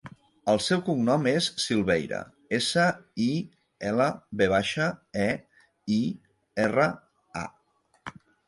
El seu cognom és Silveira: essa, i, ela, ve baixa, e, i, erra, a.